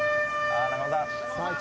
あ！